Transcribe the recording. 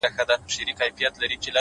خپل مسیر په باور وټاکئ,